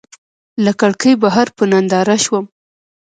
له کړکۍ بهر په ننداره شوم.